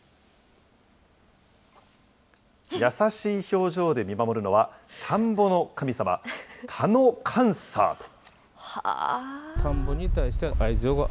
優しい表情で見守るのは、田んぼの神様、田の神様と。